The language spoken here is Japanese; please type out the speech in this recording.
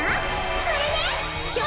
これね！